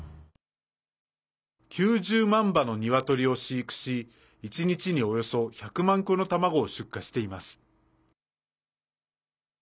９０万羽の鶏を飼育し１日におよそ１００万個の卵を出荷しています。